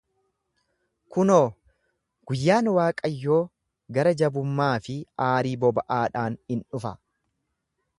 Kunoo, guyyaan Waaqayyoo gara-jabummaa fi aarii boba’aadhaan in dhufa.